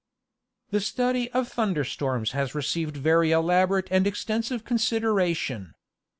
The study of thunder storms has received very elaborate and extensive consideration.